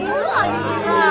ayo kita mulai berjalan